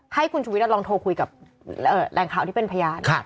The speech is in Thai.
ให้คุณชุวิตลองโทรคุยกับแหล่งข่าวที่เป็นพยาน